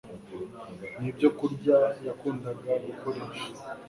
Ni ibyokurya yakundaga gukoresha